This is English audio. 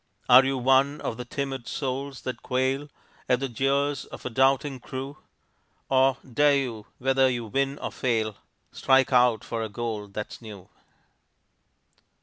Are you one of the timid souls that quail At the jeers of a doubting crew, Or dare you, whether you win or fail, Strike out for a goal that's new?